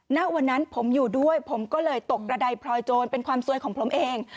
ณวันนั้นผมอยู่ด้วยผมก็เลยตกระดายพลอยโจรเป็นความซวยของผมเอง